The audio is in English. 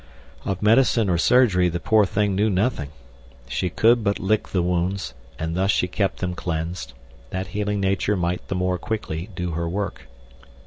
Of medicine or surgery the poor thing knew nothing. She could but lick the wounds, and thus she kept them cleansed, that healing nature might the more quickly do her work.